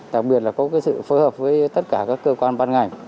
đặc biệt là có cái sự phối hợp với tất cả các cơ quan ban ngành